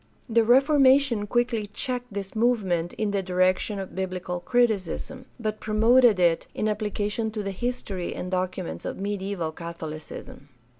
The Reformation quickly checked this movement in the direction of biblical criticism, but promoted it in application to the history and documents of mediaeval Catholicism.